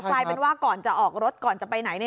กลายเป็นว่าก่อนจะออกรถก่อนจะไปไหน